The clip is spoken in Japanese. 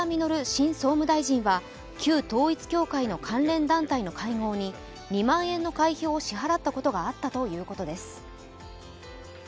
新総務大臣は旧統一教会の関連団体の会合に２万円の会費を支払ったことがあったということです。